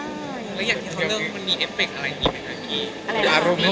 แล้วอย่างที่เราเลือกมันมีเอฟเฟคอะไรอย่างงี้